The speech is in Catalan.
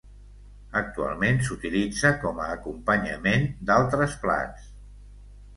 Actualment s'utilitza com a acompanyament d'altres plats.